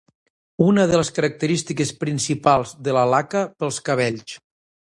Una de les característiques principals de la laca pels cabells.